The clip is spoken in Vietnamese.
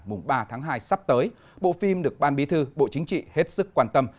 mùng ba tháng hai sắp tới bộ phim được ban bí thư bộ chính trị hết sức quan tâm